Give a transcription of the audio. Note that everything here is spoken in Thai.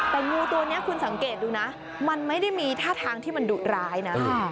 แต่งูตัวนี้คุณสังเกตดูนะมันไม่ได้มีท่าทางที่มันดุร้ายนะ